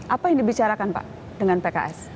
apa yang dibicarakan pak dengan pks